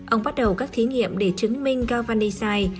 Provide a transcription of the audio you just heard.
ông bắt đầu các thí nghiệm để chứng minh gavani sai